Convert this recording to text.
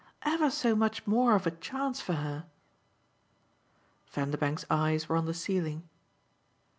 ever so much more of a chance for her." Vanderbank's eyes were on the ceiling.